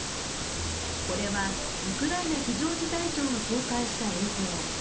これは、ウクライナ非常事態庁が公開した映像。